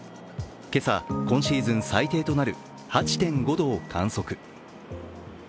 今朝、今シーズン最低となる８．５度を観測。